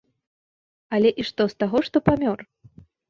Але і што з таго, што памёр!